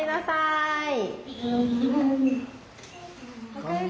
おかえり。